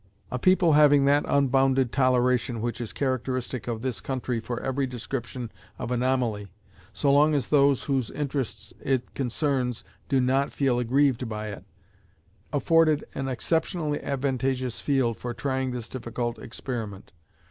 A people having that unbounded toleration which is characteristic of this country for every description of anomaly, so long as those whose interests it concerns do not feel aggrieved by it, afforded an exceptionally advantageous field for trying this difficult experiment.